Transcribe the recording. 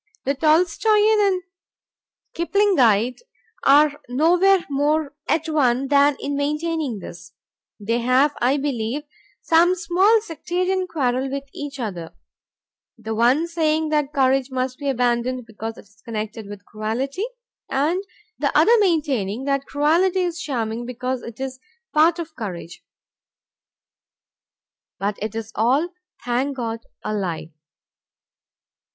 The Tolstoian and Kiplingite are nowhere more at one than in maintaining this. They have, I believe, some small sectarian quarrel with each other, the one saying that courage must be abandoned because it is connected with cruelty, and the other maintaining that cruelty is charming because it is a part of courage. But it is all, thank God, a lie.